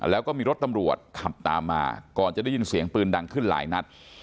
แล้วก็มีรถตำรวจขับตามมาก่อนจะได้ยินเสียงปืนดังขึ้นหลายนัด